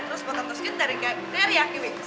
terus potato skin dari gatbriar yakimix